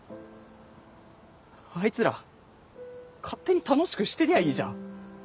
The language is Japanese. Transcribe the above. あいつら勝手に楽しくしてりゃいいじゃん。